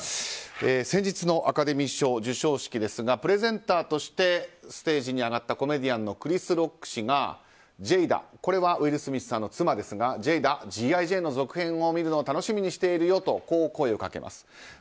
先日のアカデミー賞授賞式ですがプレゼンターとしてステージに上がったコメディアンのクリス・ロック氏がジェイダこれはウィル・スミスさんの妻ですが「Ｇ．Ｉ．ジェーン」の続編を見るのを楽しみにしているよとこう声をかけます。